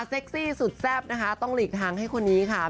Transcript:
ซี่สุดแซ่บนะคะต้องหลีกทางให้คนนี้ค่ะ